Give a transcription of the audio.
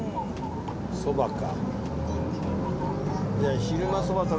そばか。